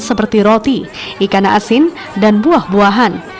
seperti roti ikan asin dan buah buahan